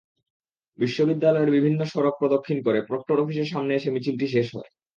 বিশ্ববিদ্যালয়ের বিভিন্ন সড়ক প্রদক্ষিণ করে প্রক্টর অফিসের সামনে এসে মিছিলটি শেষ হয়।